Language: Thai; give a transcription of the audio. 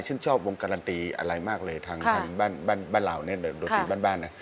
ชินชอบวงการันตีอะไรมากเลยทางบ้านเหล่านะเดี๋ยวโดรนต์ดีบ้าน